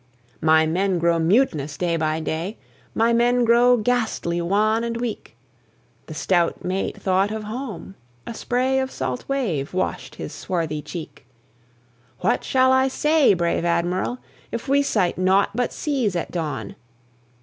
"My men grow mut'nous day by day; My men grow ghastly wan and weak." The stout mate thought of home; a spray Of salt wave wash'd his swarthy cheek. "What shall I say, brave Admiral, If we sight naught but seas at dawn?"